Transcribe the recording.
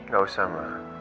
gak usah ma